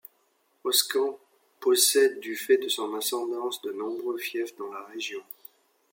Orscand possède du fait de son ascendance de nombreux fiefs dans la région.